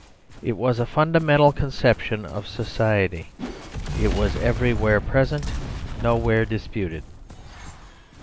It was a fun damental conception of society. It was everywhere present, nowhere disputed.